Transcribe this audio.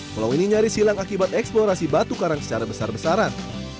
pulau ini nyaris hilang akibat eksplorasi batu karang secara besar besaran